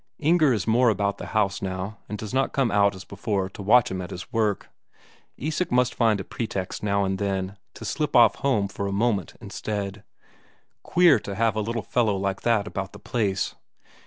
Inger is more about the house now, and does not come out as before to watch him at his work; Isak must find a pretext now and then to slip off home for a moment instead. Queer to have a little fellow like that about the place!